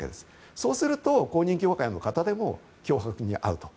そうすると、公認教会の方でも脅迫に遭うと。